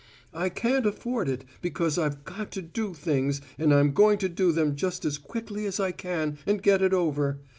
I can't afford it, because I've got to do things, and I'm going to do them just as quickly as I can, and get it over.